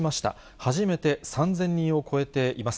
初めて３０００人を超えています。